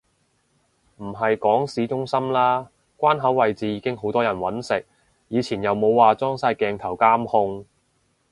唔係講市中心啦，關口位置已經好多人搵食，以前又冇話裝晒鏡頭監控